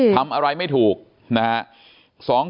ทำอะไรไม่ถูกนะครับ